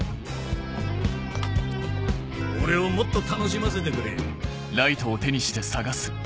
俺をもっと楽しませてくれ。